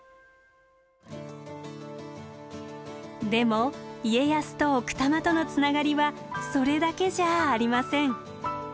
でも家康と奥多摩とのつながりはそれだけじゃありません。